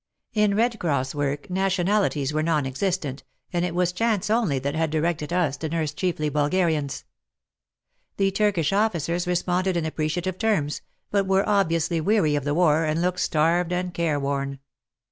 In Red Cross work nation alities were non existent, and it was chance only that had directed us to nurse chiefly Bulgarians. The Turkish officers responded in appreciative terms, but were obviously weary of the war and looked starved and careworn.